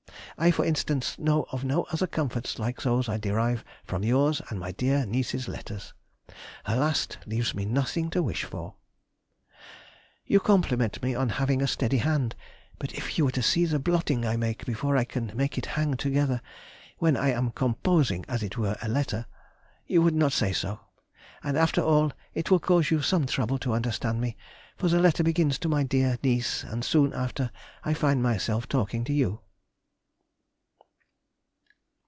I, for instance, know of no other comforts like those I derive from yours and my dear niece's letters. Her last leaves me nothing to wish for.... You compliment me on having a steady hand, but if you were to see the blotting I make before I can make it hang together (when I am composing, as it were, a letter) you would not say so, and, after all, it will cause you some trouble to understand me, for the letter begins to my dear niece, and soon after I find myself talking to you....